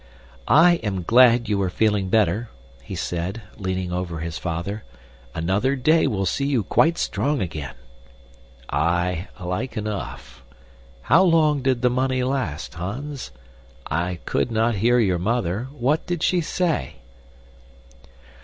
"I am glad you are feeling better," he said, leaning over his father. "Another day will see you quite strong again." "Aye, like enough. How long did the money last, Hans? I could not hear your mother. What did she say?"